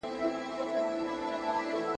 پخواني سياسي فکرونه بايد نوي سي.